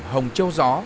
hồng treo gió